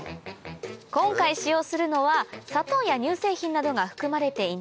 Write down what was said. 今回使用するのは砂糖や乳製品などが含まれていない